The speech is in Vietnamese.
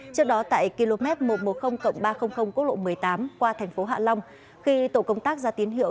trước đó tại km một trăm một mươi ba trăm linh cốc lộ một mươi tám qua tp hạ long khi tổ công tác ra tín hiệu